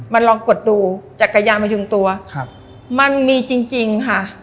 มาลองกดดูจัดกายยามายุงตัวค่ะมันมีจริงค่ะ